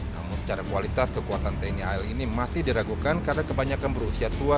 namun secara kualitas kekuatan tni al ini masih diragukan karena kebanyakan berusia tua